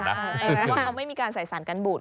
เพราะว่าเขาไม่มีการใส่สารกันบุตร